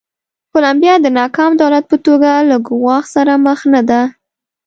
کولمبیا د ناکام دولت په توګه له ګواښ سره مخ نه ده.